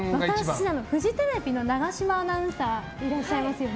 フジテレビの永島アナウンサーいらっしゃいますよね。